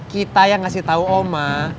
kita yang ngasih tahu oma